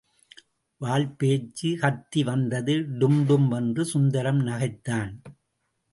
வால் போச்சு, கத்தி வந்தது, டும்டும் என்று சுந்தரம் நகைத்தான்.